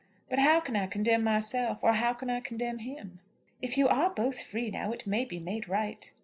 But how can I condemn myself; or how can I condemn him?" "If you are both free now, it may be made right."